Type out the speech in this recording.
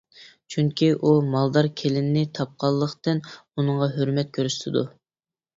چۈنكى ئۇ مالدار كېلىننى تاپقانلىقتىن ئۇنىڭغا ھۆرمەت كۆرسىتىدۇ.